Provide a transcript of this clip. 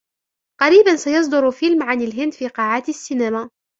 قريبا سيصدر فيلم عن الهند في قاعات السينما.